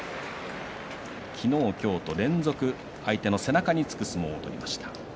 昨日、今日と連続相手の背中につく相撲を取りました。